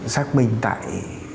xác minh tại